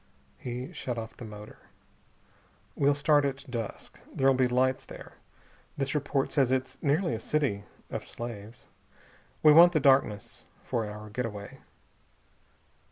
He shut off the motor. "We'll start at dusk. There'll be lights there. This report says it's nearly a city of slaves. We want the darkness for our getaway."